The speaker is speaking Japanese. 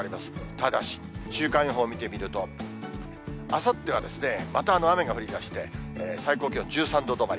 ただし、週間予報見てみると、あさっては、また雨が降りまして、最高気温１３度止まり。